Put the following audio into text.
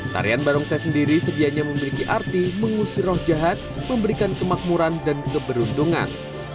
tarian barongsai sendiri sedianya memiliki arti mengusir roh jahat memberikan kemakmuran dan keberuntungan